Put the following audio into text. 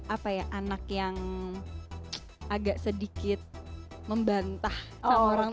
apa ya anak yang agak sedikit membantah sama orang